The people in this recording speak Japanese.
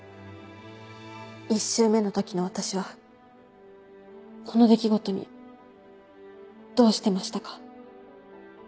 １周目の時の私はこの出来事にどうしてましたか？